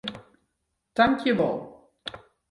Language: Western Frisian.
Tankjewol.